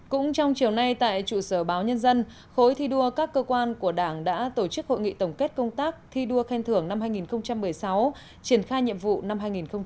cũng trong chiều nay tại trụ sở báo nhân dân khối thi đua các cơ quan của đảng đã tổ chức hội nghị tổng kết công tác thi đua khen thưởng năm hai nghìn một mươi sáu triển khai nhiệm vụ năm hai nghìn một mươi chín